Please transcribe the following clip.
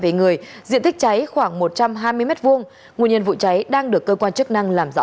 về người diện tích cháy khoảng một trăm hai mươi m hai nguyên nhân vụ cháy đang được cơ quan chức năng làm rõ